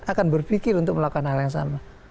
akan berpikir untuk melakukan hal yang sama